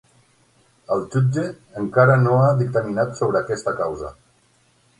El jutge encara no ha dictaminat sobre aquesta causa.